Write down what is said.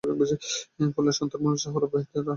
ফলে সন্তান ভূমিষ্ঠ হওয়ার অব্যবহিত পরে রাহীলের ইনতিকাল হয়।